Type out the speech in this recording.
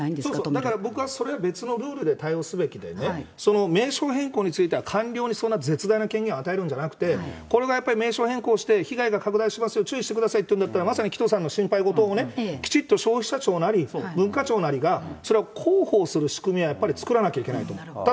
だから僕はそれは別のルールで対応すべきでね、名称変更については官僚にそんな絶大な権限を与えるんじゃなくて、これがやっぱり、名称変更して被害が拡大しますよ、注意してくださいっていうんだったら、まさに紀藤さんの心配事を、きちっと消費者庁なり、文化庁なりが、それを公報する仕組みはやっぱり作らないといけないと。